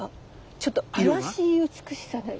ちょっと妖しい美しさない？